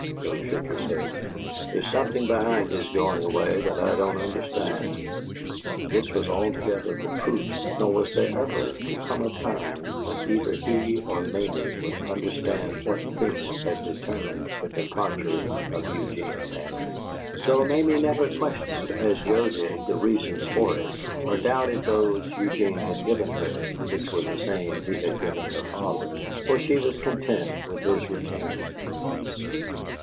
Joe shook his head. "There's something behind his going away that I don't understand." This was altogether the truth; nor was there ever to come a time when either he or Mamie would understand what things had determined the departure of Eugene Bantry; though Mamie never questioned, as Joe did, the reasons for it, or doubted those Eugene had given her, which were the same he had given her father. For she was content with his return.